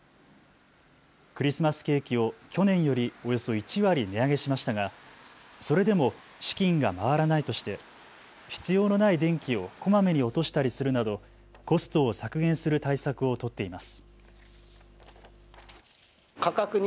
クリスマスケーキを去年よりおよそ１割値上げしましたがそれでも資金が回らないとして必要のない電気をこまめに落としたりするなどコストを削減する対策を取っています。